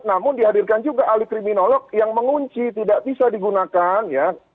namun dihadirkan juga ahli kriminolog yang mengunci tidak bisa digunakan ya